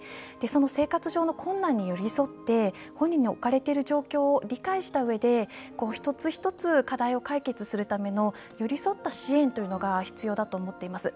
その生活上の困難に寄り添って本人の置かれている状況を理解したうえで、一つ一つ課題を解決するための寄り添った支援というのが必要だと思っています。